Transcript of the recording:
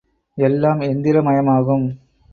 எல்லாம் எந்திர மயமாகும்.